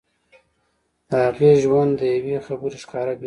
د هغې ژوند د يوې خبرې ښکاره بېلګه ده.